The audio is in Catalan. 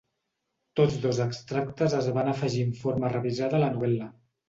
Tots dos extractes es van afegir en forma revisada a la novel·la.